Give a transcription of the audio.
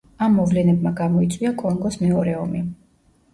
ამ მოვლენებმა გამოიწვია კონგოს მეორე ომი.